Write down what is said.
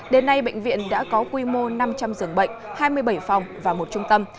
đến nay bệnh viện đã có quy mô năm trăm linh giường bệnh hai mươi bảy phòng và một trung tâm